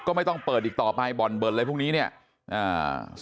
ก็ไม่ต้องเปิดอีกต่อไปบ่อนเบิดอะไรพวกนี้เนี้ยอ่า